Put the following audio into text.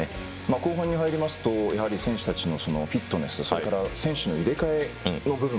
後半に入りますと選手たちのフィットネスそれから選手の入れ替えの部分